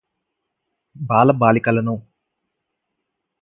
బాల బాలికలను